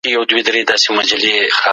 خدای دې وکړي چي ټولنه په سوله کي وي.